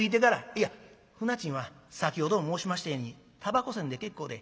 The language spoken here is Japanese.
「いや舟賃は先ほども申しましたようにたばこ賃で結構で。